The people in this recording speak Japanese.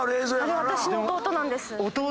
あれ私の弟なんです。